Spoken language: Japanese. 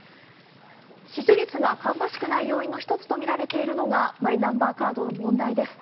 支持率が芳しくない要因の一つとみられているのがマイナンバーカードの問題です。